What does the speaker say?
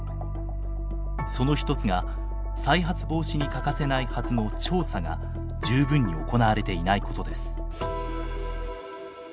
その一つが再発防止に欠かせないはずの調査が十分に行われていないことです。